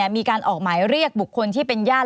มีการออกหมายเรียกบุคคลที่เป็นญาติ